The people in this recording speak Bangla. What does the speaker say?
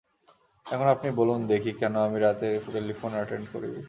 এখন আপনি বলুন দেখি, কেন আমি রাতের টেলিফোন অ্যাটেন্ড করি?